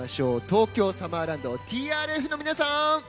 東京サマーランドＴＲＦの皆さん。